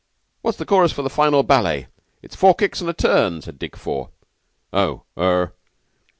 What's the chorus for the final ballet? It's four kicks and a turn," said Dick Four. "Oh! Er!